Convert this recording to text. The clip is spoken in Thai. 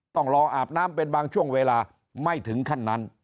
ต้องรออาบน้ำเป็นบางช่วงเวลาไม่ถึงขั้นนั้น